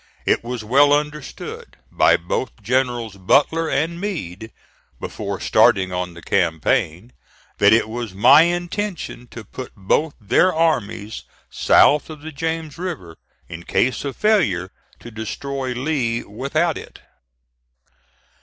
It was well understood, by both Generals Butler and Meade, before starting on the campaign, that it was my intention to put both their armies south of the James River, in case of failure to destroy Lee without it.